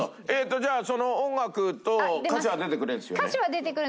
じゃあその音楽と歌詞は出てくれるんですよね？